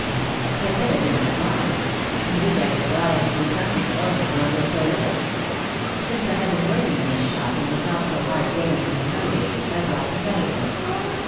I said I did not mind. Indeed I was glad I could do something for him though it was so little. Since I had been working in this shop and was not OUT OF THE SHADOW 129 so hard driven and humiliated, I blossomed out again.